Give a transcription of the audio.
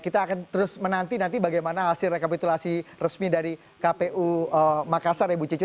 kita akan terus menanti nanti bagaimana hasil rekapitulasi resmi dari kpu makassar ibu cicu